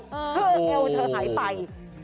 เธอเอวเธอหายไป